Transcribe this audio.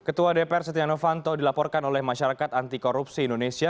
ketua dpr setianowanto dilaporkan oleh masyarakat antikorupsi indonesia